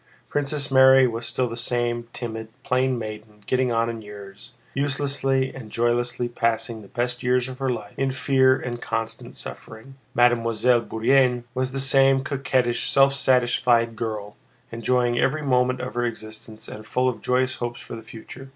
Princess Mary was still the same timid, plain maiden getting on in years, uselessly and joylessly passing the best years of her life in fear and constant suffering. Mademoiselle Bourienne was the same coquettish, self satisfied girl, enjoying every moment of her existence and full of joyous hopes for the future.